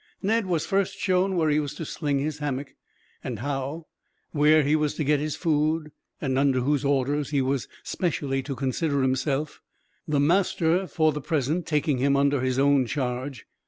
Ned was first shown where he was to sling his hammock, and how; where he was to get his food; and under whose orders he was specially to consider himself; the master, for the present, taking him under his own charge.